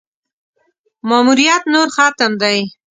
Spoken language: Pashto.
ماموریت نور ختم دی.